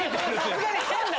さすがに変だ。